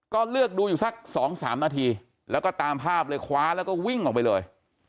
ก็เลือกดูอยู่สัก๒๓นาทีแล้วก็ตามภาพเลยคว้าแล้วก็วิ่งออกไปเลย